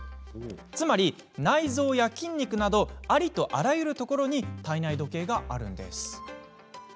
つまり、内臓や筋肉などありとあらゆるところに体内時計があるんです。